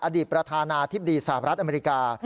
อดีตประธานาธิบดีสหรัฐอเมริกา